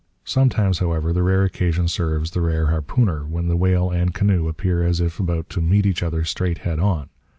Sometimes, however, the rare occasion serves the rare harpooner, when the whale and canoe appear as if about to meet each other straight head on.